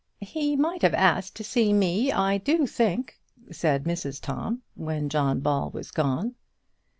"He might have asked to see me, I do think," said Mrs Tom, when John Ball was gone.